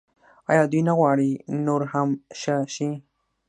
آیا دوی نه غواړي نور هم ښه شي؟